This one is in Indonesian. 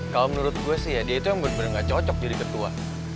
kalau menurut gue sih ya dia itu yang bener bener gak cocok jadi ketua